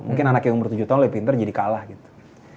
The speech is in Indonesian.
mungkin anak yang umur tujuh tahun lebih pinter jadi kalah gitu